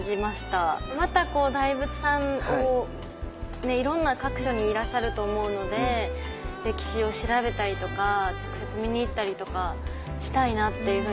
また大仏さんねいろんな各所にいらっしゃると思うので歴史を調べたりとか直接見に行ったりとかしたいなっていうふうにすごく思いました。